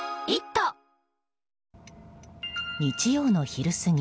日曜の昼すぎ。